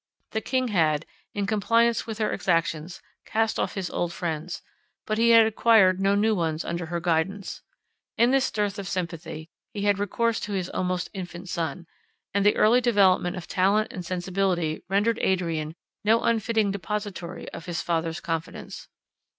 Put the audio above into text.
The king had, in compliance with her exactions, cast off his old friends, but he had acquired no new ones under her guidance. In this dearth of sympathy, he had recourse to his almost infant son; and the early development of talent and sensibility rendered Adrian no unfitting depository of his father's confidence.